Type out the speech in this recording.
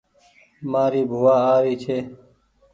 مآري بووآ آ ري ڇي